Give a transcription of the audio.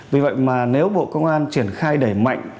vì vậy mà nếu bộ công an triển khai đẩy mạnh